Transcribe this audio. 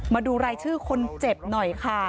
มาดูรายชื่อคนเจ็บหน่อยค่ะ